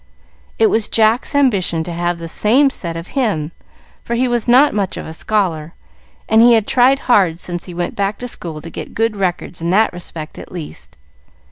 It was Jack's ambition to have the same said of him, for he was not much of a scholar, and he had tried hard since he went back to school to get good records in that respect at least.